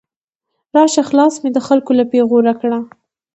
راشه خلاصه مې د خلګو له پیغور کړه